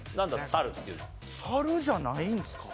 サルじゃないんですか？